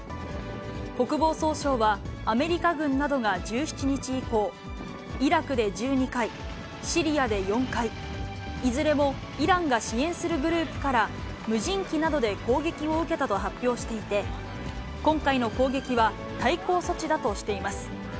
国防総省は、アメリカ軍などが１７日以降、イラクで１２回、シリアで４回、いずれもイランが支援するグループから、無人機などで攻撃を受けたと発表していて、今回の攻撃は対抗措置だとしています。